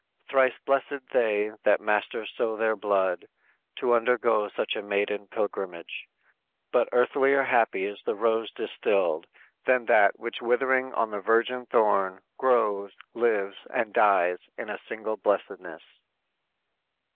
Thrice blessed they that master so their blood, To undergo such maiden pilgrimage; But earthlier happy is the rose distilled, Than that, which withering on the virgin thorn Grows, lives, and dies in single blessedness!"